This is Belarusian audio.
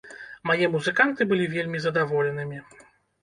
Мае музыканты былі вельмі задаволенымі.